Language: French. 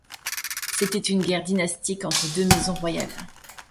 C'était une guerre dynastique entre deux maisons royales.